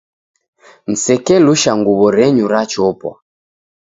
Msekelusha nguw'o renyu rachopwa.